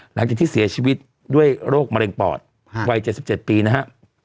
หลังจากที่เสียชีวิตด้วยโรคมะเร็งปอดวัย๗๗ปีนะฮะ